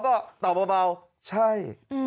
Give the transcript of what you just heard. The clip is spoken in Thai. เขาก็ตอบเบาใช่